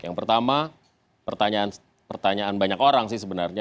yang pertama pertanyaan banyak orang sih sebenarnya